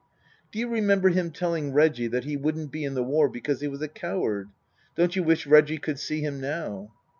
" Do you remember him telling Reggie that he wouldn't be in the war because he was a coward ? Don't you wish Reggie could see him now